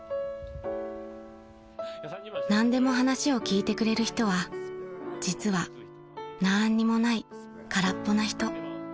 ［何でも話を聞いてくれる人は実はなーんにもない空っぽな人］